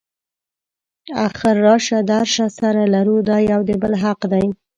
اخر راشه درشه سره لرو دا یو د بل حق دی.